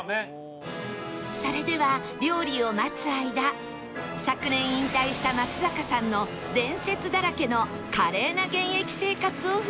それでは料理を待つ間昨年引退した松坂さんの伝説だらけの華麗な現役生活を振り返ります